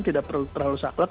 tidak perlu terlalu saklek